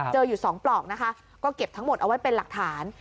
อยู่๒ปลอกนะคะก็เก็บทั้งหมดเอาไว้เป็นหลักฐาน